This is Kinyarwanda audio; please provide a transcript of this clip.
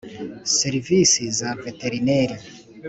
serivisi za veterineri